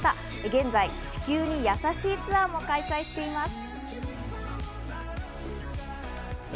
現在、地球にやさしいツアーも開催しています。